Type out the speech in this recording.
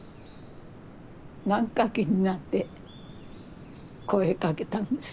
何か気になって声かけたんです。